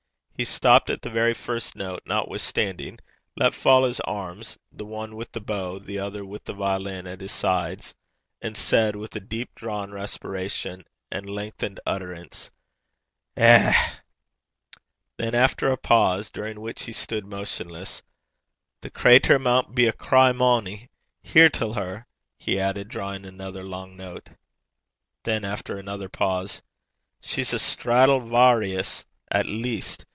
He stopped at the very first note, notwithstanding, let fall his arms, the one with the bow, the other with the violin, at his sides, and said, with a deep drawn respiration and lengthened utterance: 'Eh!' Then after a pause, during which he stood motionless: 'The crater maun be a Cry Moany! Hear till her!' he added, drawing another long note. Then, after another pause: 'She's a Straddle Vawrious at least!